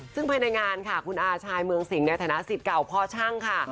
ซึ่งภายในงานค่ะคุณอาชายเมืองสิงห์ในฐานะสิทธิ์เก่าพ่อช่างค่ะ